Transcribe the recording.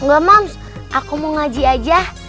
enggak mams aku mau ngaji aja